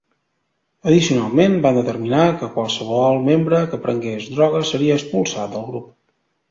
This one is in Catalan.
Addicionalment, van determinar que qualsevol membre que prengués drogues seria expulsat del grup.